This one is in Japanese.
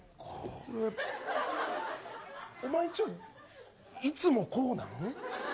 おまえ、いつもこうなの。